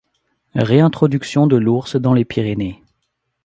Réintroduction de l'ours dans les Pyrénées.